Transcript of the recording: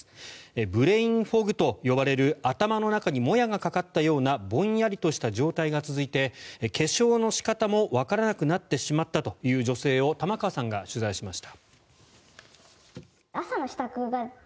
ブレインフォグと呼ばれる頭の中にもやがかかったようなぼんやりとした状態が続いて化粧の仕方もわからなくなってしまったという女性を玉川さんが取材しました。